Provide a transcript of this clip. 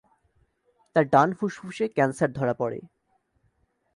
তার ডান ফুসফুসে ক্যান্সার ধরা পড়ে।